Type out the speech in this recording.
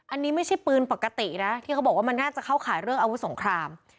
อันนี้ไม่ใช่ปืนปกตินะที่เขาบอกว่ามันน่าจะเข้าขายเรื่องอาวุธสงคราม